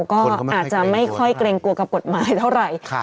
ก็อาจจะไม่ค่อยเกรงกลัวกับกฎหมายเท่าไหร่